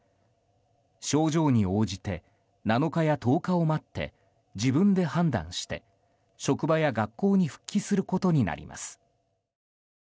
症状に応じて７日や１０日を待って自分で判断して、職場や学校に復帰することになります。